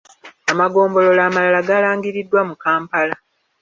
Amagomolola amalala galangiriddwa mu Kampala.